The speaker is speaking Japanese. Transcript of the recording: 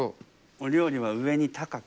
お料理は上に高く。